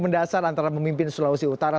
mendasar antara memimpin sulawesi utara